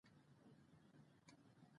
د یوه لوی غره په شکل پروت دى